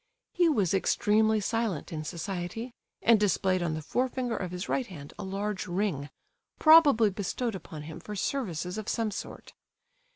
He was extremely silent in society, and displayed on the forefinger of his right hand a large ring, probably bestowed upon him for services of some sort.